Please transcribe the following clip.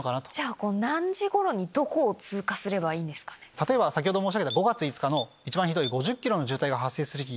例えば先ほど申し上げた５月５日の一番ひどい５０ｋｍの渋滞が発生する日。